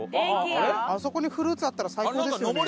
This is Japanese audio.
あそこにフルーツあったら最高ですよね。